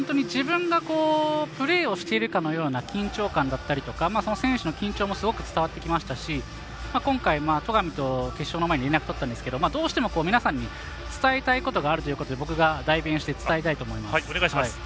自分がプレーをしているかのような緊張感だったりとか選手の緊張もすごく伝わってきましたし今回は戸上と決勝の前に連絡取ったんですがどうしても皆さんに伝えたいことがあるということで僕が代弁して伝えたいと思います。